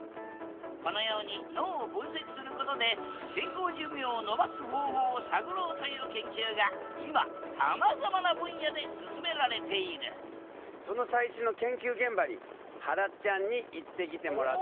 このように脳を分析することでという研究が今さまざまな分野で進められているその最新の研究現場にはらちゃんに行ってきてもらったよ。